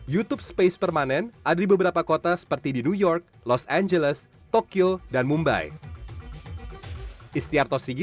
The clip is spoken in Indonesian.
youtube space permanen ada di beberapa kota seperti di new york los angeles tokyo dan mumbai